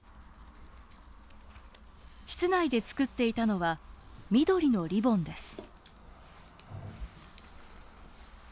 室内で作っていたのは緑のリボンです。